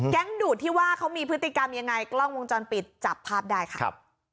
ดูดที่ว่าเขามีพฤติกรรมยังไงกล้องวงจรปิดจับภาพได้ค่ะครับ